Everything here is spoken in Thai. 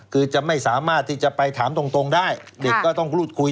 คือจะไม่สามารถที่จะไปถามตรงได้เด็กก็ต้องพูดคุย